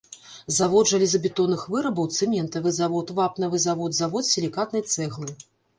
Завод жалезабетонных вырабаў, цэментавы завод, вапнавы завод, завод сілікатнай цэглы.